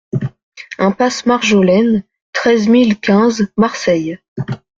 Impasse Marjolaine, treize mille quinze Marseille